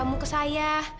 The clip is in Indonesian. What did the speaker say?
beli jamu ke saya